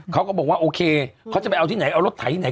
เขาก็บอกว่าโอเคเขาจะไปเอาที่ไหนเอารถไถที่ไหน